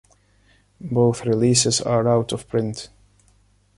Both releases are out of print.